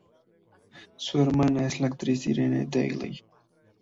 Su hermana es la actriz Irene Dailey.